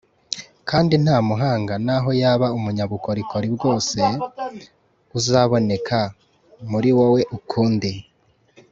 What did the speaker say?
kandi nta muhanga naho yaba umunyabukorikori bwose uzaboneka muri wowe ukundi,